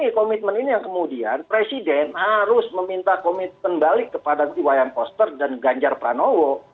nah komitmen ini yang kemudian presiden harus meminta komitmen balik kepada iwayan koster dan ganjar pranowo